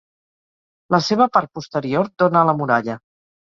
La seva part posterior dona a la muralla.